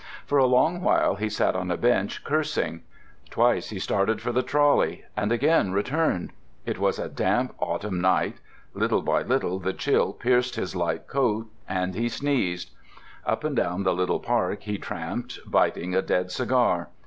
For a long while he sat on a bench cursing. Twice he started for the trolley, and again returned. It was a damp autumn night; little by little the chill pierced his light coat and he sneezed. Up and down the little park he tramped, biting a dead cigar.